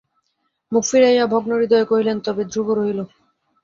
মুখ ফিরাইয়া ভগ্নহৃদয়ে কহিলেন, তবে ধ্রুব রহিল।